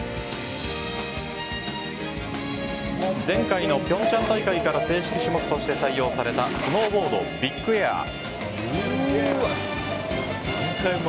前回の平昌大会から正式種目として採用されたスノーボード・ビッグエア。